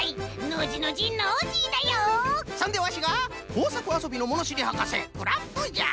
そんでワシがこうさくあそびのものしりはかせクラフトじゃ！